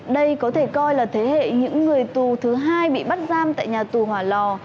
đây có thể coi là thế hệ những người tù thứ hai bị bắt giam tại nhà tù hỏa lò